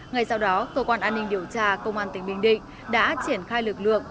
ngay sau đó cơ quan an ninh điều tra công an tỉnh bình định đã triển khai lực lượng